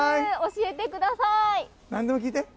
教えてください。